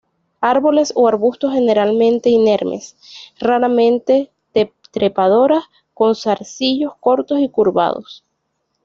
Árboles o arbustos generalmente inermes, raramente trepadoras con zarcillos cortos y curvados.